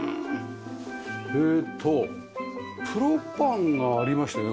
えーとプロパンがありましたよね